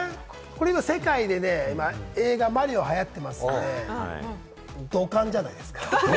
世界でね、『マリオ』が始まってますから、土管じゃないですか？